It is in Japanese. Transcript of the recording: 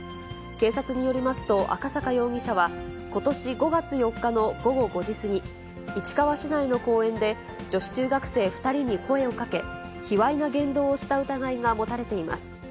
警察によりますと、赤坂容疑者は、ことし５月４日の午後５時過ぎ、市川市内の公園で、女子中学生２人に声をかけ、卑わいな言動をした疑いが持たれています。